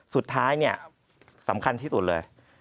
สุดท้ายสำคัญที่สุดเลย